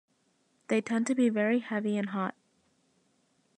They tend to be very heavy and hot.